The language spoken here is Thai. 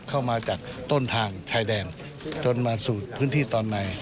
เข้ามาจากต้นทางชายแดนจนมาสู่พื้นที่ตอนใน